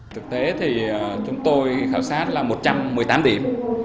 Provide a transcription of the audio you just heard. thực tế thì chúng tôi khảo sát là một trăm một mươi tám điểm